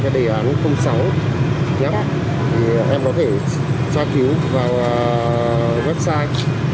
đấy theo cái đề án sáu nhé